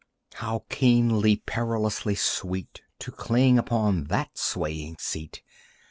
How keenly, perilously sweet To cling upon that swaying seat!